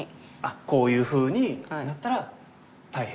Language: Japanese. こういうふうになったら大変？